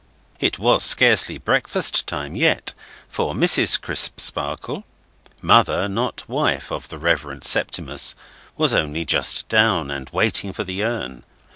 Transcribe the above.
It was scarcely breakfast time yet, for Mrs. Crisparkle—mother, not wife of the Reverend Septimus—was only just down, and waiting for the urn.